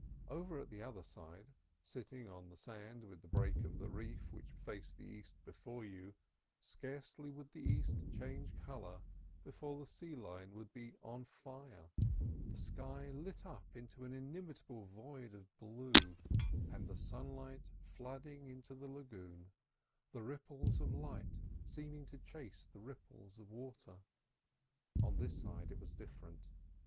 Over at the other side, sitting on the sand with the break of the reef which faced the east before you, scarcely would the east change colour before the sea line would be on fire, the sky lit up into an illimitable void of blue, and the sunlight flooding into the lagoon, the ripples of light seeming to chase the ripples of water. On this side it was different.